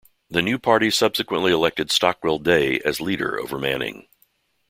The new party subsequently elected Stockwell Day as leader over Manning.